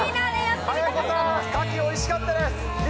早子さん、カキおいしかったです。